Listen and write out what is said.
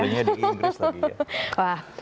kuliahnya di inggris lagi ya